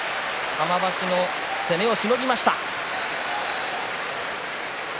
玉鷲の攻めをしのぎました。